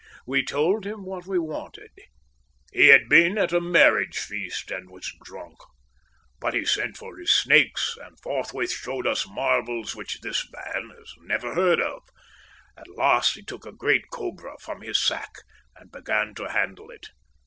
We told him what we wanted. He had been at a marriage feast and was drunk. But he sent for his snakes, and forthwith showed us marvels which this man has never heard of. At last he took a great cobra from his sack and began to handle it.